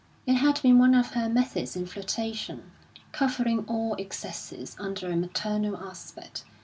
It had been one of her methods in flirtation, covering all excesses under a maternal aspect.